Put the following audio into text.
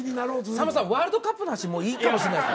さんまさんワ―ルドカップの話もういいかもしんないです。